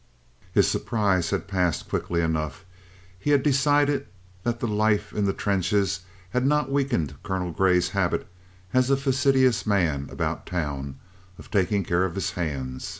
His surprise had passed quickly enough. He had decided that the life in the trenches had not weakened Colonel Grey's habit, as a fastidious man about town, of taking care of his hands.